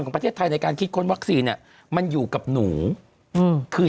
ประเทศไทยในการคิดค้นวัคซีนเนี่ยมันอยู่กับหนูอืมคือ